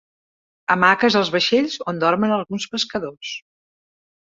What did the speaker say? Hamaques als vaixells on dormen alguns pescadors.